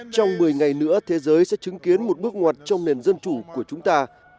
trong một mươi ngày nữa thế giới sẽ chứng kiến một bước ngoặt trong nền dân chủ của chúng ta